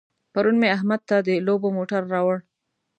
پرون مې احمد ته د لوبو موټر راوړ.